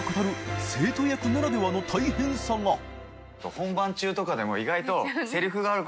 本番中とかでも意外と亀梨）